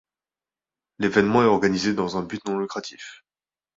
L’événement est organisé dans un but non lucratif.